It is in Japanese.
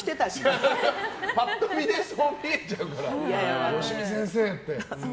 パッと見でそう見えちゃうからよしみ先生って。